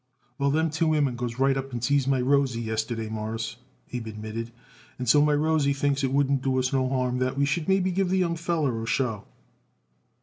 "Well, them two women goes right up and sees my Rosie yesterday, Mawruss," Abe admitted; "and so my Rosie thinks it wouldn't do us no harm that we should maybe give the young feller a show."